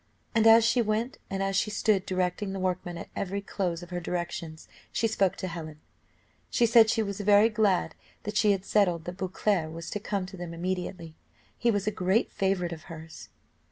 And as she went, and as she stood directing the workmen, at every close of her directions she spoke to Helen. She said she was very glad that she had settled that Beauclerc was to come to them immediately. He was a great favourite of hers.